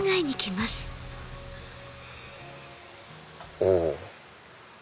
お。